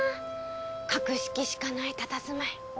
格式しかないたたずまい。